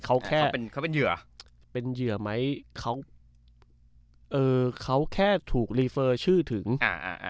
เขาแค่เขาเป็นเขาเป็นเหยื่อเป็นเหยื่อไหมเขาเอ่อเขาแค่ถูกรีเฟอร์ชื่อถึงอ่าอ่า